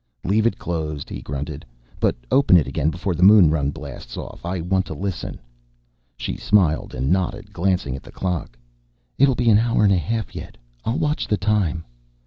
"Leave it closed," he grunted. "But open it again before the moon run blasts off. I want to listen." She smiled and nodded, glancing at the clock. "It'll be an hour and a half yet. I'll watch the time."